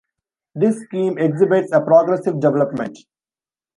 This scheme exhibits a progressive development.